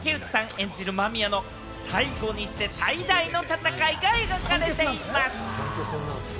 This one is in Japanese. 演じる間宮の最後にして最大の戦いが描かれています。